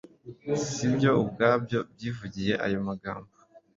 si byo ubwabyo byivugiye ayo magambo